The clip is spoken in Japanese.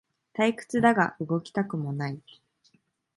退屈だが動きたくもない